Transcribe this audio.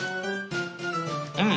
うん。